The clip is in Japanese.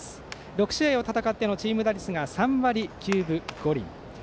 ６試合を戦ってのチーム打率が３割９分５厘。